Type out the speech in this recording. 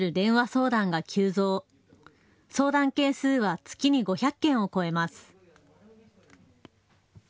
相談件数は月に５００件を超えます。